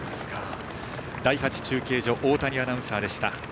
第８中継所大谷アナウンサーでした。